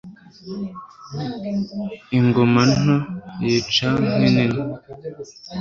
Ingoma nto yica nk'inini :